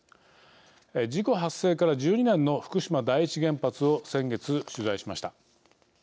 事故発生から１２年の福島第一原発を先月、取材しました。